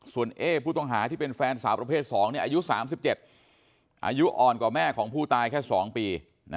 ส่วนเอ๊ผู้ต้องหาที่เป็นแฟนสาวประเภท๒อายุ๓๗อายุอ่อนกว่าแม่ของผู้ตายแค่๒ปี